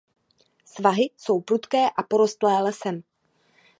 Svahy jsou prudké a porostlé lesem.